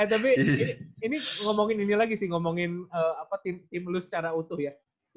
eh tapi ini ngomongin ini lagi sih ngomongin apa tim lu secara utuh ya